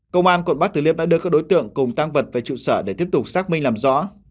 công an quận bắc tử liêm đã đưa các đối tượng cùng tăng vật về trụ sở để tiếp tục xác minh làm rõ